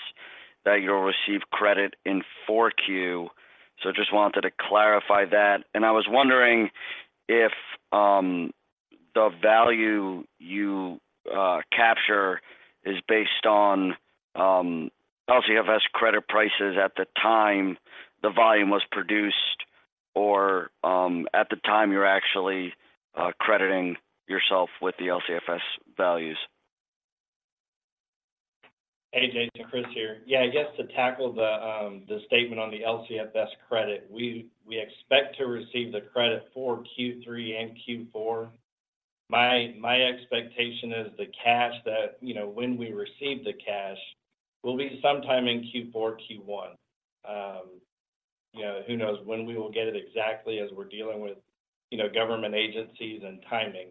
that you'll receive credit in 4Q. So just wanted to clarify that. And I was wondering if the value you capture is based on LCFS credit prices at the time the volume was produced or at the time you're actually crediting yourself with the LCFS values? Hey, Jason, Chris here. Yeah, I guess to tackle the statement on the LCFS credit, we expect to receive the credit for Q3 and Q4. My expectation is the cash that, you know, when we receive the cash will be sometime in Q4, Q1. You know, who knows when we will get it exactly as we're dealing with, you know, government agencies and timing.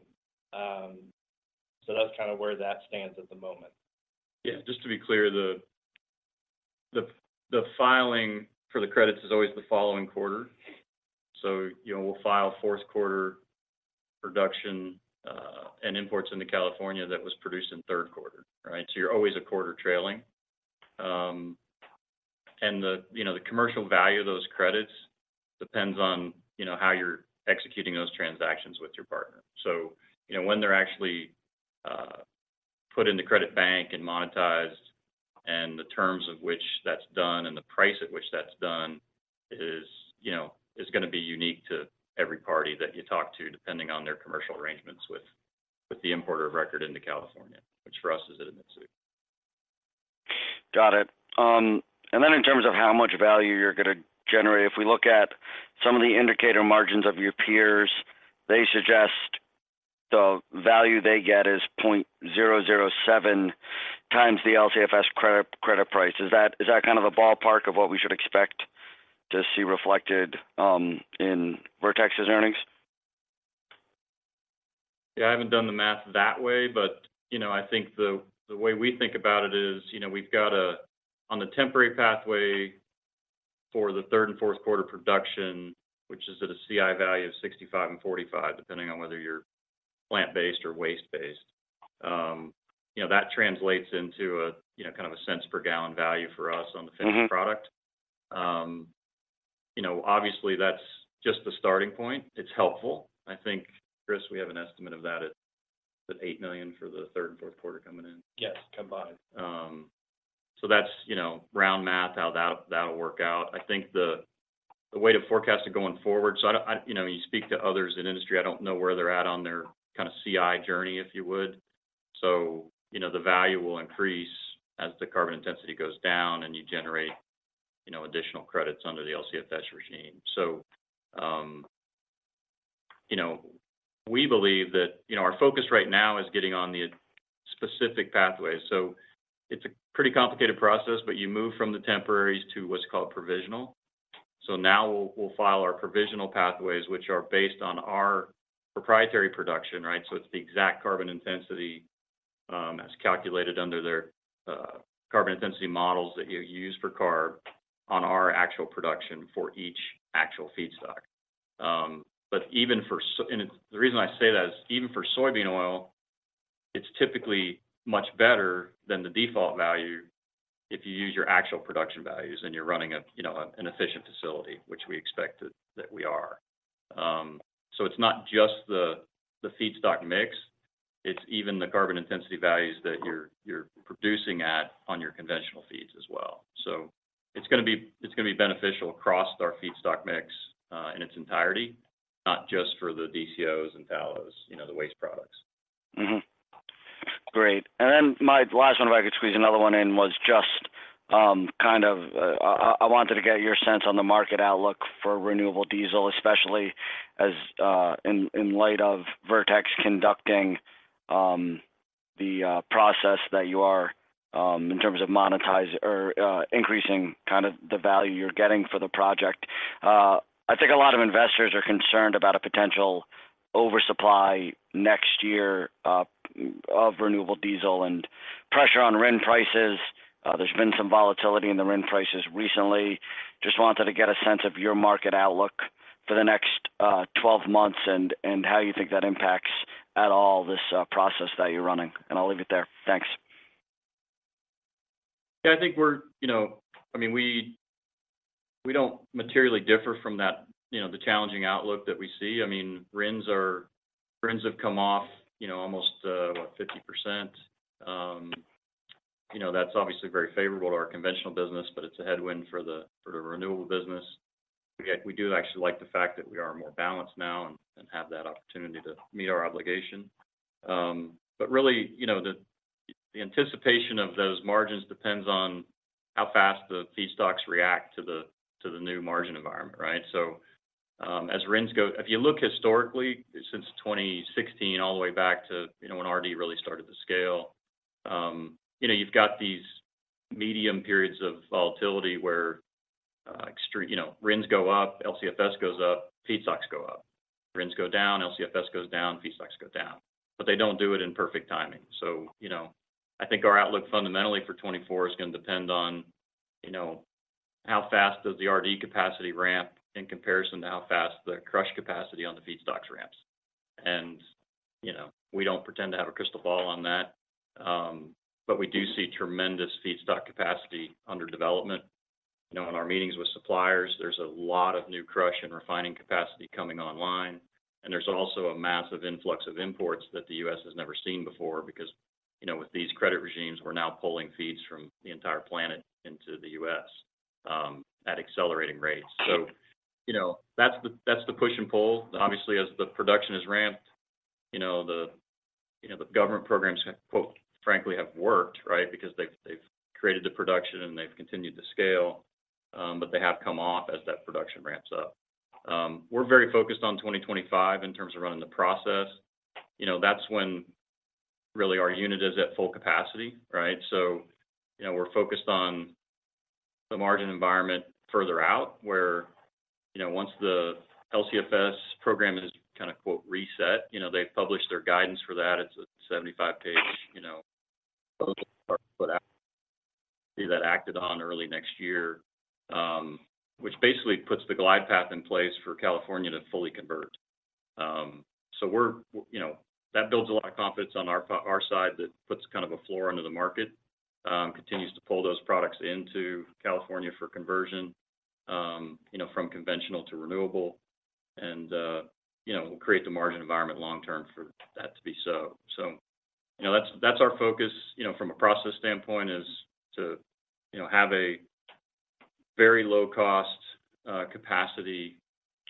So that's kind of where that stands at the moment. Yeah, just to be clear, the filing for the credits is always the following quarter. So, you know, we'll file fourth quarter production and imports into California that was produced in third quarter, right? So you're always a quarter trailing. And, you know, the commercial value of those credits depends on, you know, how you're executing those transactions with your partner. So, you know, when they're actually put in the credit bank and monetized, and the terms of which that's done and the price at which that's done is, you know, is gonna be unique to every party that you talk to, depending on their commercial arrangements with the importer of record into California, which for us is Idemitsu. Got it. And then in terms of how much value you're gonna generate, if we look at some of the indicator margins of your peers, they suggest the value they get is 0.007 times the LCFS credit, credit price. Is that, is that kind of a ballpark of what we should expect to see reflected in Vertex's earnings? Yeah, I haven't done the math that way, but, you know, I think the way we think about it is, you know, we've got a-- on the temporary pathway for the third and fourth quarter production, which is at a CI value of 65 and 45, depending on whether you're plant-based or waste-based. You know, that translates into a, you know, kind of a cents per gallon value for us on the- Mm-hmm Finished product. You know, obviously, that's just the starting point. It's helpful. I think, Chris, we have an estimate of that at $8 million for the third and fourth quarter coming in. Yes, combined. So that's, you know, round math, how that, that'll work out. I think the way to forecast it going forward. So I don't know. You know, you speak to others in industry, I don't know where they're at on their kind of CI journey, if you would. So, you know, the value will increase as the Carbon Intensity goes down and you generate, you know, additional credits under the LCFS regime. So, you know, we believe that, you know, our focus right now is getting on the specific pathways. So it's a pretty complicated process, but you move from the temporaries to what's called provisional. So now we'll file our provisional pathways, which are based on our proprietary production, right? So it's the exact carbon intensity as calculated under their carbon intensity models that you use for CARB on our actual production for each actual feedstock. But even for soybean oil and the reason I say that is even for soybean oil, it's typically much better than the default value if you use your actual production values, and you're running a, you know, an efficient facility, which we expect that, that we are. So it's not just the feedstock mix, it's even the carbon intensity values that you're producing at on your conventional feeds as well. So it's gonna be, it's gonna be beneficial across our feedstock mix in its entirety, not just for the DCOs and tallows, you know, the waste products. Mm-hmm. Great. And then my last one, if I could squeeze another one in, was just kind of, I wanted to get your sense on the market outlook for renewable diesel, especially as in light of Vertex conducting the process that you are in terms of monetize or increasing kind of the value you're getting for the project. I think a lot of investors are concerned about a potential oversupply next year of renewable diesel and pressure on RIN prices. There's been some volatility in the RIN prices recently. Just wanted to get a sense of your market outlook for the next 12 months, and how you think that impacts at all this process that you're running. And I'll leave it there. Thanks. Yeah, I think we're ,you know, I mean, we don't materially differ from that, you know, the challenging outlook that we see. I mean, RINs have come off, you know, almost, what? 50%. You know, that's obviously very favorable to our conventional business, but it's a headwind for the renewable business. Yet we do actually like the fact that we are more balanced now and have that opportunity to meet our obligation. But really, you know, the anticipation of those margins depends on how fast the feedstocks react to the new margin environment, right? So, as RINs go If you look historically since 2016 all the way back to, you know, when RD really started to scale, you know, you've got these medium periods of volatility where, extreme you know, RINs go up, LCFS goes up, feedstocks go up. RINs go down, LCFS goes down, feedstocks go down. But they don't do it in perfect timing. So, you know, I think our outlook fundamentally for 2024 is gonna depend on, you know, how fast does the RD capacity ramp in comparison to how fast the crush capacity on the feedstock ramps. And, you know, we don't pretend to have a crystal ball on that, but we do see tremendous feedstock capacity under development. You know, in our meetings with suppliers, there's a lot of new crush and refining capacity coming online, and there's also a massive influx of imports that the U.S. has never seen before. Because, you know, with these credit regimes, we're now pulling feeds from the entire planet into the U.S. at accelerating rates. So, you know, that's the push and pull. Obviously, as the production is ramped, you know, the government programs, quote, frankly have worked, right? Because they've created the production, and they've continued to scale, but they have come off as that production ramps up. We're very focused on 2025 in terms of running the process. You know, that's when really our unit is at full capacity, right? So, you know, we're focused on the margin environment further out, where, you know, once the LCFS program is kinda, quote, "reset," you know, they've published their guidance for that. It's a 75-page, you know, that acted on early next year, which basically puts the glide path in place for California to fully convert. So we're, you know... That builds a lot of confidence on our our side, that puts kind of a floor under the market, continues to pull those products into California for conversion, you know, from conventional to renewable, and, you know, will create the margin environment long term for that to be so. So, you know, that's, that's our focus, you know, from a process standpoint, is to, you know, have a very low-cost capacity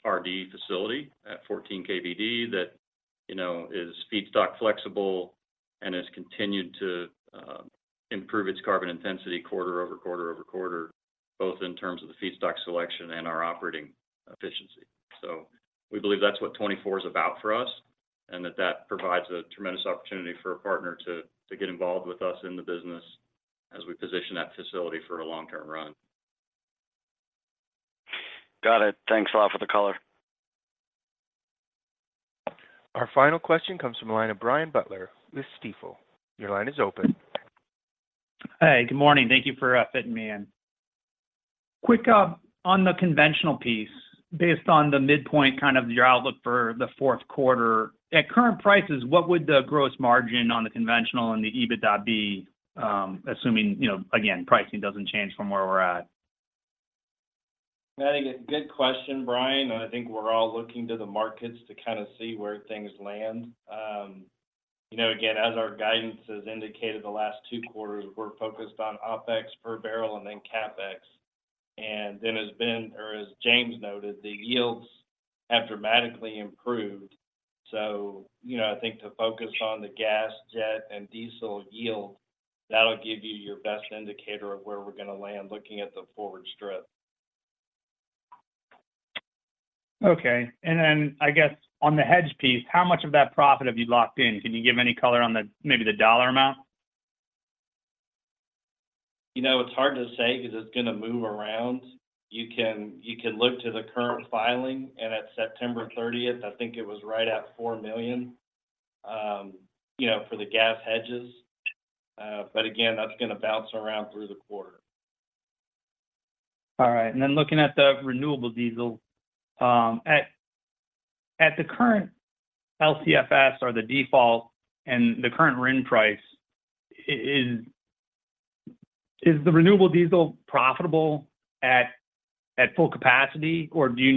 RD facility at 14 KBD, that, you know, is feedstock flexible and has continued to improve its carbon intensity quarter over quarter over quarter, both in terms of the feedstock selection and our operating efficiency. So we believe that's what 2024 is about for us, and that that provides a tremendous opportunity for a partner to, to get involved with us in the business as we position that facility for a long-term run. Got it. Thanks a lot for the color. Our final question comes from the line of Brian Butler with Stifel. Your line is open. Hey, good morning. Thank you for fitting me in. Quick on the conventional piece. Based on the midpoint, kind of your outlook for the fourth quarter, at current prices, what would the gross margin on the conventional and the EBITDA be? Assuming, you know, again, pricing doesn't change from where we're at. I think a good question, Brian, and I think we're all looking to the markets to kinda see where things land. You know, again, as our guidance has indicated, the last two quarters were focused on OpEx per barrel and then CapEx. And then as Ben, or as James noted, the yields have dramatically improved. So, you know, I think to focus on the gas, jet, and diesel yield, that'll give you your best indicator of where we're gonna land, looking at the forward strip. Okay. And then, I guess, on the hedge piece, how much of that profit have you locked in? Can you give any color on the, maybe the dollar amount? You know, it's hard to say 'cause it's gonna move around. You can look to the current filing, and at September thirtieth, I think it was right at $4 million, you know, for the gas hedges. But again, that's gonna bounce around through the quarter. All right. And then looking at the renewable diesel, at the current LCFS or the default and the current RIN price, is the renewable diesel profitable at full capacity, or do we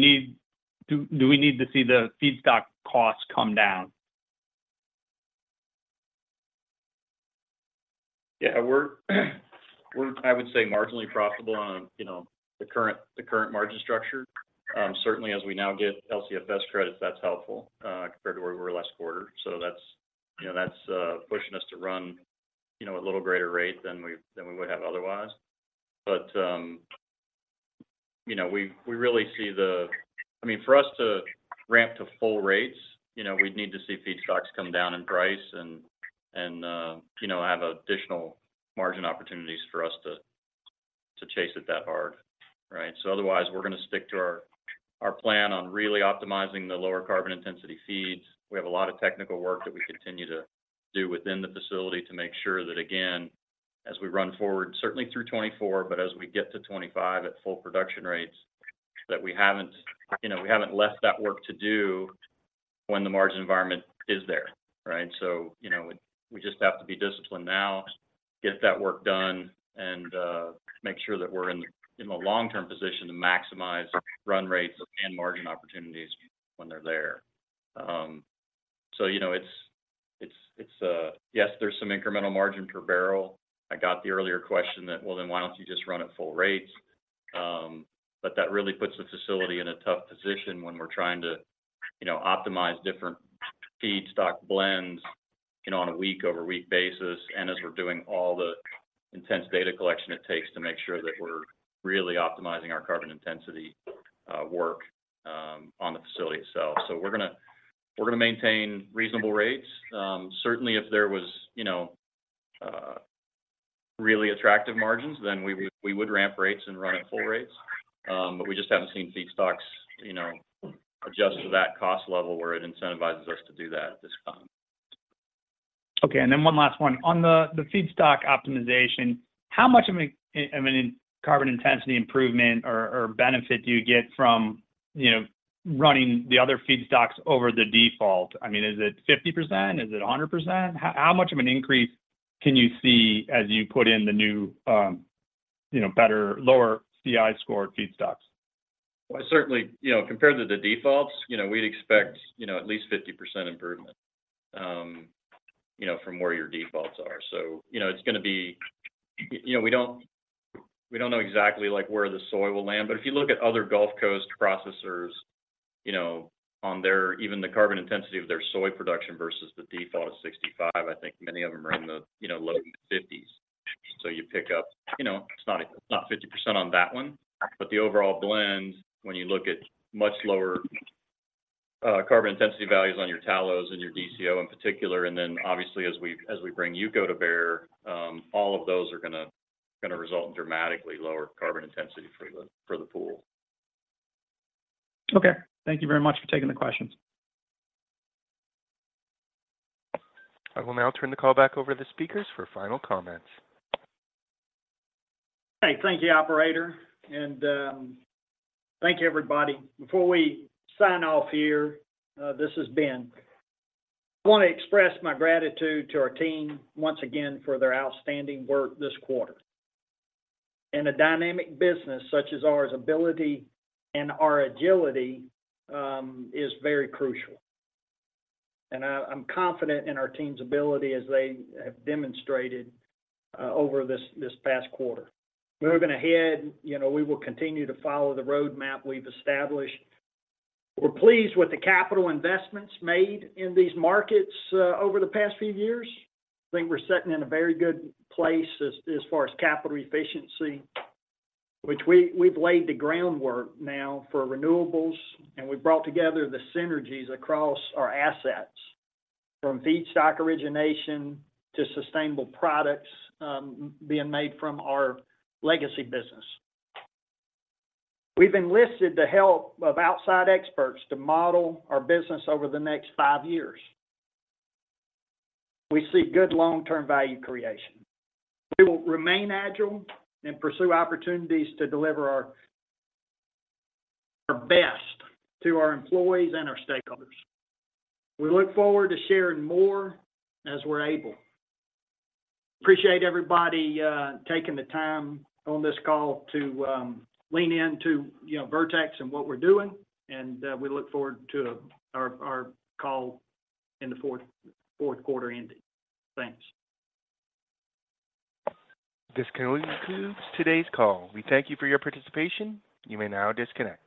need to see the feedstock costs come down? Yeah, we're I would say marginally profitable on, you know, the current margin structure. Certainly, as we now get LCFS credits, that's helpful compared to where we were last quarter. So that's, you know, that's pushing us to run, you know, a little greater rate than we would have otherwise. But, you know, we really see the. I mean, for us to ramp to full rates, you know, we'd need to see feedstocks come down in price and, you know, have additional margin opportunities for us to chase it that hard, right? So otherwise, we're gonna stick to our plan on really optimizing the lower carbon intensity feeds. We have a lot of technical work that we continue to do within the facility to make sure that, again, as we run forward, certainly through 2024, but as we get to 2025 at full production rates, that we haven't, you know, we haven't left that work to do when the margin environment is there, right? So, you know, we just have to be disciplined now, get that work done, and make sure that we're in the long-term position to maximize run rates and margin opportunities when they're there. So, you know, it's yes, there's some incremental margin per barrel. I got the earlier question that, well, then why don't you just run at full rates? But that really puts the facility in a tough position when we're trying to, you know, optimize different feedstock blends, you know, on a week-over-week basis. And as we're doing all the intense data collection it takes to make sure that we're really optimizing our carbon intensity work on the facility itself. So we're gonna maintain reasonable rates. Certainly, if there was, you know, really attractive margins, then we would ramp rates and run at full rates. But we just haven't seen feedstocks, you know, adjust to that cost level where it incentivizes us to do that at this time. Okay, and then one last one. On the feedstock optimization, how much of a—I mean, carbon intensity improvement or benefit do you get from, you know, running the other feedstocks over the default? I mean, is it 50%? Is it 100%? How much of an increase can you see as you put in the new, you know, better, lower CI scored feedstocks? Well, certainly, you know, compared to the defaults, you know, we'd expect, you know, at least 50% improvement, you know, from where your defaults are. So, you know, it's gonna be, you know, we don't, we don't know exactly, like, where the soy will land, but if you look at other Gulf Coast processors, you know, on their-- even the carbon intensity of their soy production versus the default of 65, I think many of them are in the, you know, low 50s. So you pick up, you know, it's not, not 50% on that one, but the overall blend, when you look at much lower carbon intensity values on your tallow and your DCO in particular, and then obviously, as we, as we bring UCO to bear, all of those are gonna, gonna result in dramatically lower carbon intensity for the, for the pool. Okay. Thank you very much for taking the questions. I will now turn the call back over to the speakers for final comments. Hey, thank you, operator, and thank you, everybody. Before we sign off here, this is Ben. I wanna express my gratitude to our team once again for their outstanding work this quarter. In a dynamic business such as ours, ability and our agility is very crucial, and I'm confident in our team's ability as they have demonstrated over this past quarter. Moving ahead, you know, we will continue to follow the roadmap we've established. We're pleased with the capital investments made in these markets over the past few years. I think we're sitting in a very good place as far as capital efficiency, which we've laid the groundwork now for renewables, and we've brought together the synergies across our assets, from feedstock origination to sustainable products being made from our legacy business. We've enlisted the help of outside experts to model our business over the next five years. We see good long-term value creation. We will remain agile and pursue opportunities to deliver our best to our employees and our stakeholders. We look forward to sharing more as we're able. Appreciate everybody taking the time on this call to lean in to, you know, Vertex and what we're doing, and we look forward to our call in the fourth quarter ending. Thanks. This concludes today's call. We thank you for your participation. You may now disconnect.